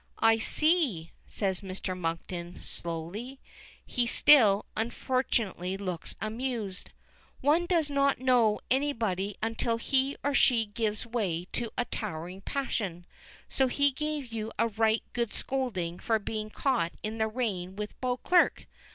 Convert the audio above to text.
"I see," says Mr. Monkton, slowly. He still, unfortunately, looks amused. "One never does know anybody until he or she gives way to a towering passion. So he gave you a right good scolding for being caught in the rain with Beauclerk.